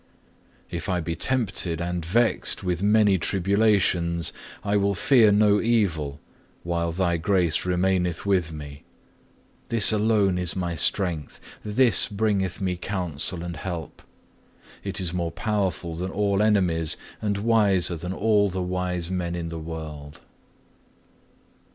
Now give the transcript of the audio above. If I be tempted and vexed with many tribulations, I will fear no evil, while Thy grace remaineth with me. This alone is my strength, this bringeth me counsel and help. It is more powerful than all enemies, and wiser than all the wise men in the world.